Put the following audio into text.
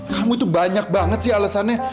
kamu itu banyak banget sih alesannya